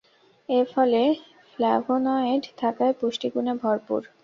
এ ফলে ফ্ল্যাভোনয়েড থাকায় পুষ্টিগুণে ভরপুর।